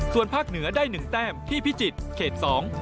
ส่วนภาคเหนือได้๑แต้มที่พิจิตรเขต๒